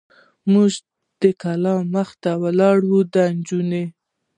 موږ د کلا مخې ته ولاړ و، دا نجونې.